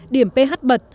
điểm ph bật